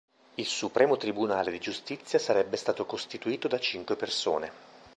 Il supremo tribunale di giustizia sarebbe stato costituito da cinque persone.